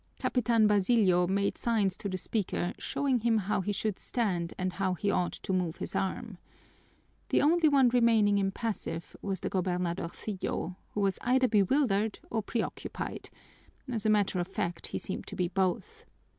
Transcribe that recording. Capitan Basilio made signs to the speaker showing him how he should stand and how he ought to move his arm. The only one remaining impassive was the gobernadorcillo, who was either bewildered or preoccupied; as a matter of fact, he seemed to be both.